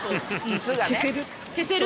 消せる？